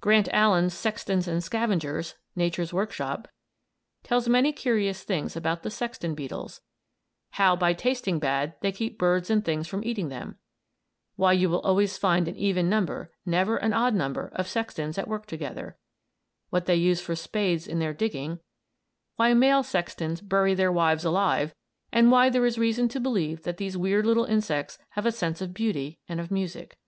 Grant Allen's "Sextons and Scavengers" ("Nature's Work Shop") tells many curious things about the sexton beetles; how, by tasting bad, they keep birds and things from eating them; why you will always find an even number never an odd number of sextons at work together; what they use for spades in their digging; why male sextons bury their wives alive, and why there is reason to believe that these weird little insects have a sense of beauty and of music.